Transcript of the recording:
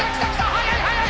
速い速い！